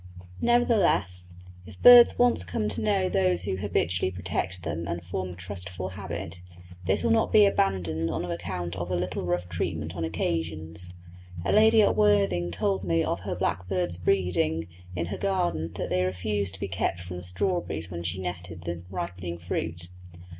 Nevertheless, if birds once come to know those who habitually protect them and form a trustful habit, this will not be abandoned on account of a little rough treatment on occasions. A lady at Worthing told me of her blackbirds breeding in her garden that they refused to be kept from the strawberries when she netted the ripening fruit.